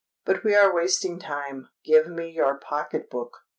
But we are wasting time: give me your pocket book."